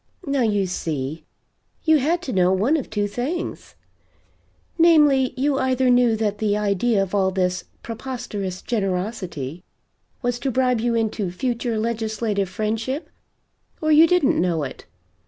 Now you see, you had to know one of two things; namely, you either knew that the idea of all this preposterous generosity was to bribe you into future legislative friendship, or you didn't know it.